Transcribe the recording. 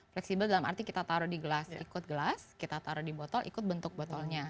fleksibel dalam arti kita taruh di gelas ikut gelas kita taruh di botol ikut bentuk botolnya